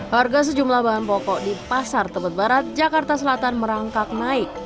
harga sejumlah bahan pokok di pasar tebet barat jakarta selatan merangkak naik